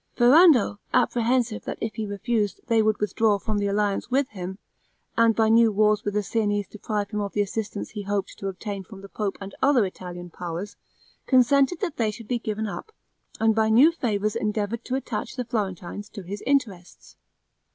Ferrando, apprehensive that if he refused, they would withdraw from the alliance with him, and by new wars with the Siennese deprive him of the assistance he hoped to obtain from the pope and other Italian powers, consented that they should be given up, and by new favors endeavored to attach the Florentines to his interests.